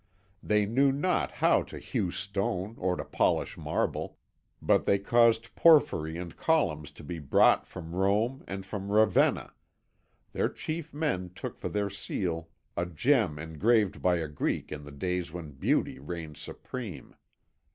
They knew not how to hew stone or to polish marble; but they caused porphyry and columns to be brought from Rome and from Ravenna; their chief men took for their seal a gem engraved by a Greek in the days when Beauty reigned supreme.